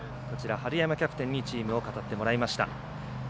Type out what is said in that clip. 春山キャプテンにチームを語ってもらいました。